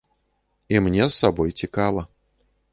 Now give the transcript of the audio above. І мне з сабой цікава.